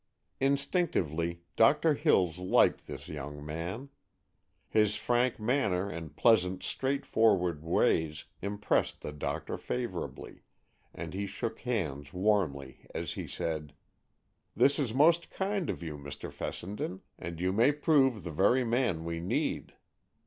Instinctively, Doctor Hills liked this young man. His frank manner and pleasant, straightforward ways impressed the doctor favorably, and he shook hands warmly as he said, "This is most kind of you, Mr. Fessenden, and you may prove the very man we need.